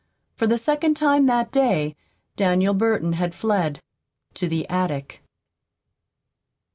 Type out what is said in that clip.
For the second time that day Daniel Burton had fled to the attic.